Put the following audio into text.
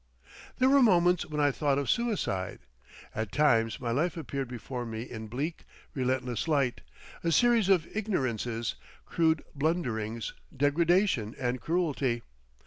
There were moments when I thought of suicide. At times my life appeared before me in bleak, relentless light, a series of ignorances, crude blunderings, degradation and cruelty.